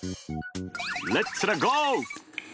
レッツらゴー！